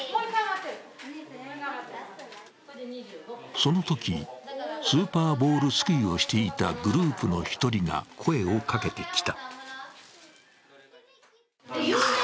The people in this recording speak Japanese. そのとき、スーパーボールすくいをしていたグループの１人が声をかけてきた。